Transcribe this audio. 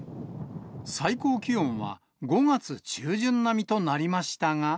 最高気温は５月中旬並みとなりましたが。